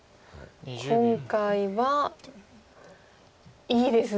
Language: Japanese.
今回はいいですね。